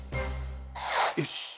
よし！